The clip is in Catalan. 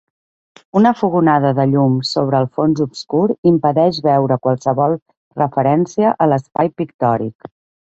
Una fogonada de llum sobre el fons obscur impedeix veure qualsevol referència a l'espai pictòric.